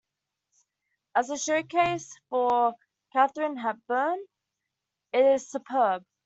As a showcase for Katharine Hepburn, it is superb.